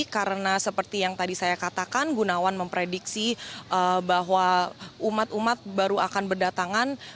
karena seperti yang tadi saya katakan gunawan memprediksi bahwa umat umat baru akan berdatangan